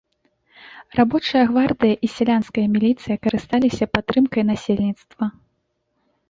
Рабочая гвардыя і сялянская міліцыя карысталіся падтрымкай насельніцтва.